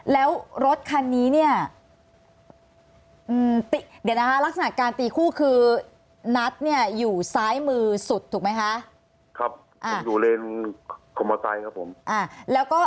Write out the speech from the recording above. แล้วรถคันนี้เดี๋ยวนะคะลักษณะการตีคู่คือนัดอยู่ซ้ายมือสุดถูกไหมคะ